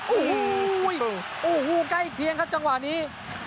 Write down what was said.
อู้หู้อู้หู้ใกล้เคียงครับจังหวะนี้